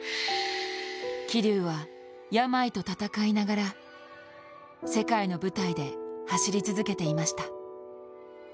桐生は病と闘いながら、世界の舞台で走り続けていました。